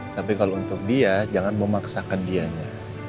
tapi kalau untuk dia jangan memaksakan dianya